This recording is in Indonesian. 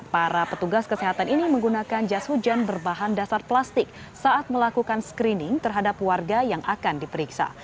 para petugas kesehatan ini menggunakan jas hujan berbahan dasar plastik saat melakukan screening terhadap warga yang akan diperiksa